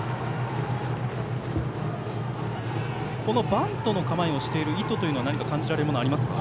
バントの構えをしている意図というのは何か感じられるものはありますか。